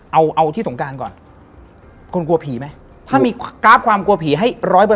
เอาเอาที่สงการก่อนคนกลัวผีไหมถ้ามีกราฟความกลัวผีให้๑๐๐